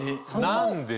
何で？